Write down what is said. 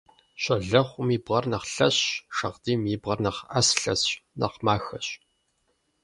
Щолэхъум и бгъэр нэхъ лъэщщ, шагъдийм и бгъэр нэхъ Ӏэслъэсщ, нэхъ махэщ.